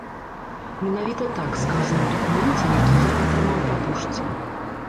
Менавіта так сказана ў дакуменце, які я атрымаў па пошце.